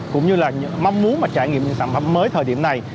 cũng như là mong muốn mà trải nghiệm những sản phẩm mới thời điểm này